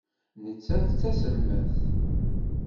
Nettat d taselmadt.